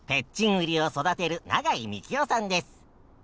ウリを育てる永井幹夫さんです。